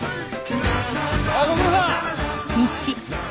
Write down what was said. あっご苦労さん！